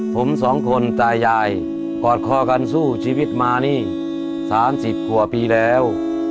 ผมสองคนตายายกอดคอกันสู้ชีวิตมานี่๓๐กว่าปีแล้ว